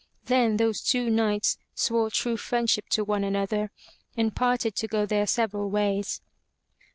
Then those two knights swore true friendship to one another, and parted to go their several ways.